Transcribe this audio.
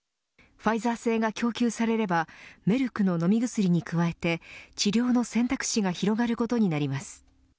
ファイザー製が供給されればメルクの飲み薬に加えて治療の選択肢が広がることになります。